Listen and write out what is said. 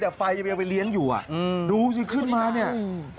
แต่ไฟมันยังไปเลี้ยงอยู่ดูสิขึ้นมาเนี่ย